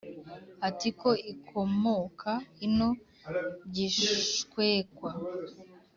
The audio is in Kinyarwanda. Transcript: ati ko ikomoka ino gishwekwa